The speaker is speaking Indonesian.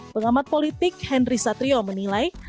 pengamat politik henry satrio menilai